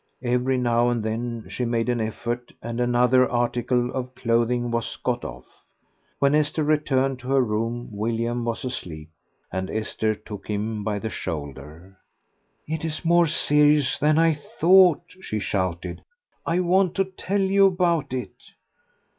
Every now and then she made an effort, and another article of clothing was got off. When Esther returned to her room William was asleep, and Esther took him by the shoulder. "It is more serious than I thought," she shouted. "I want to tell you about it."